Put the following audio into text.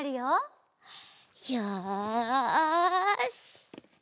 よし！